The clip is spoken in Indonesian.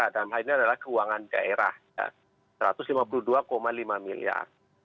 dan hal ini adalah keuangan daerah satu ratus lima puluh dua lima miliar